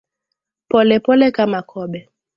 Polepole kama kobe.